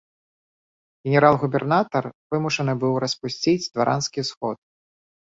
Генерал-губернатар вымушаны быў распусціць дваранскі сход.